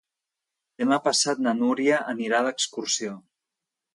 Demà passat na Núria anirà d'excursió.